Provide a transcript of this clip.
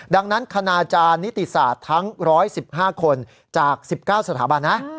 ดังนั้นคณาจารย์นิติศาสตร์ทั้ง๑๑๕คนจาก๑๙สถาบันนะ